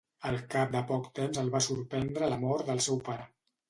Al cap de poc temps el va sorprendre la mort del seu pare.